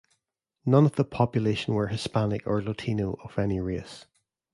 None of the population were Hispanic or Latino of any race.